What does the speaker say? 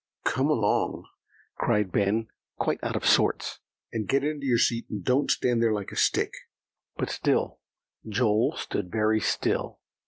"Come along," cried Ben, quite out of sorts, "and get into your seat, and don't stand there like a stick." But still Joel stood very still.